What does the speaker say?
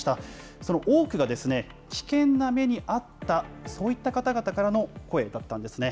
その多くが、危険な目に遭った、そういった方々からの声だったんですね。